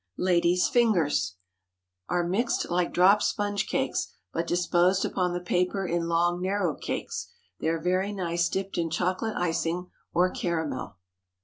LADY'S FINGERS Are mixed like drop sponge cakes, but disposed upon the paper in long, narrow cakes. They are very nice dipped in chocolate icing, or caramel.